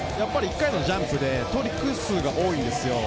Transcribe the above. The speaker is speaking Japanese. １回のジャンプでトリック数が多いんです。